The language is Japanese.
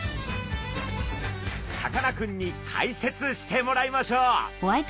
さかなクンに解説してもらいましょう！